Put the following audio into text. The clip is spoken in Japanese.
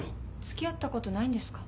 付き合ったことないんですか？